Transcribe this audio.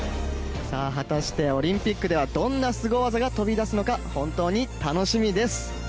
果たして、オリンピックではどんなスゴ技が飛び出すのか本当に楽しみです！